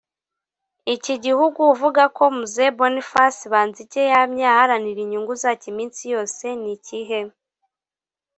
Iki gihugu uvuga ko Mzee Boniface Benzige yamye aharanira inyungu zacyo iminsi yose ni ikihe